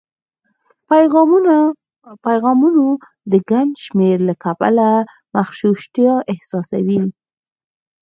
پیغامونو د ګڼ شمېر له کبله مغشوشتیا احساسوي